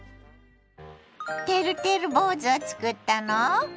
てるてる坊主をつくったの？